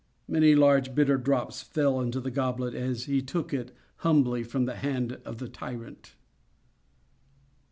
Many large, bitter drops fell into the goblet as he took it, humbly, from the hand of the tyrant.